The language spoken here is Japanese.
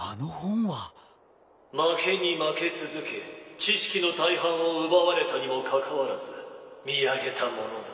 ・負けに負け続け知識の大半を奪われたにもかかわらず見上げたものだ。